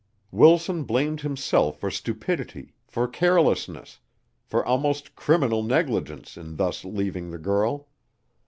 Wilson blamed himself for stupidity, for carelessness, for almost criminal negligence in thus leaving the girl.